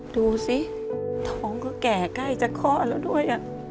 ดูสิท้องก็แก่ใกล้จะคลอดแล้วด้วย